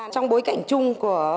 trong bối cảnh chung của